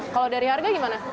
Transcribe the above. kalau dari harga gimana